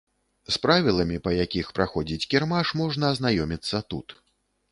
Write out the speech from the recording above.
З правіламі, па якіх праходзіць кірмаш, можна азнаёміцца тут.